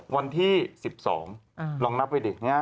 วันที่๑๒ลองนับไปดิ